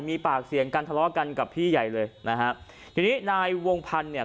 มีปากเสียงกันทะเลาะกันกับพี่ใหญ่เลยนะฮะทีนี้นายวงพันธ์เนี่ย